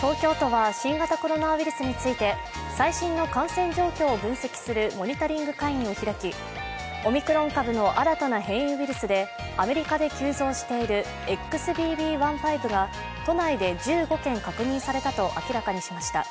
東京都は新型コロナウイルスについて、最新の感染状況を分析するモニタリング会議を開きオミクロン株の新たな変異ウイルスでアメリカで急増しているＸＢＢ．１．５が都内で１５件確認されたと明らかにしました。